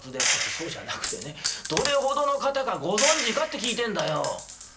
「そうじゃなくてねどれほどの方かご存じかって聞いてんだよ」。